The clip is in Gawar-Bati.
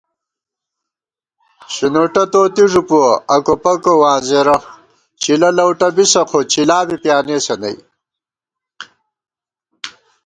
شِنوٹہ توتی ݫُپُوَہ اکو پکو وانزېرہ * چِلہ لؤٹہ بِسہ خو چِلا بی پیانېسہ نئ